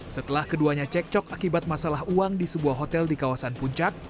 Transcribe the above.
setelah keduanya cekcok akibat masalah uang di sebuah hotel di kawasan puncak